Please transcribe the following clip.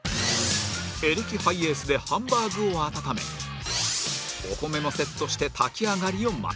エレキハイエースでハンバーグを温めお米もセットして炊き上がりを待つ